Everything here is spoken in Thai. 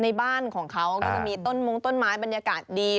ในบ้านของเขาก็จะมีต้นมงต้นไม้บรรยากาศดี